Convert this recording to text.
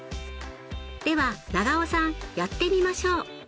では永尾さんやってみましょう。